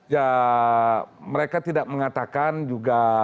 ya mereka tidak mengatakan juga